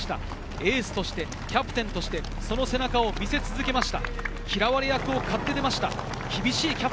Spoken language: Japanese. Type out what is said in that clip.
エースとしてキャプテンとしてその背中を見せ続けました。